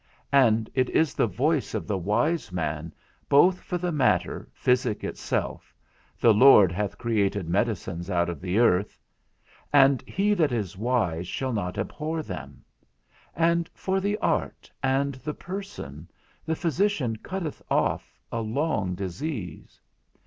And it is the voice of the wise man, both for the matter, physic itself, The Lord hath created medicines out of the earth, and he that is wise shall not abhor them, and for the art, and the person, the physician cutteth off a long disease.